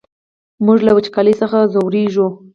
موږ له وچکالۍ څخه ځوريږو!